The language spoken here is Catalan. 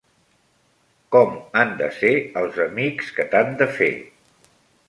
Com han de ser els amics que t'han de fer?